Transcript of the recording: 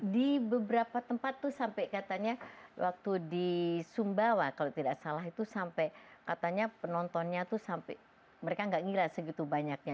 di beberapa tempat itu sampai katanya waktu di sumbawa kalau tidak salah itu sampai katanya penontonnya tuh sampai mereka nggak ngira segitu banyaknya